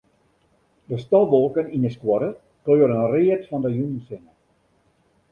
De stofwolken yn 'e skuorre kleuren read fan de jûnssinne.